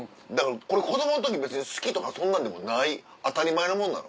これ子供の時別に好きとかそんなんでもない当たり前のもんなの？